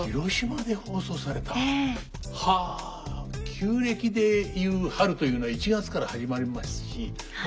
旧暦でいう春というのは１月から始まりますしま